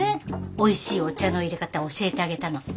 おいしいお茶のいれ方教えてあげたの。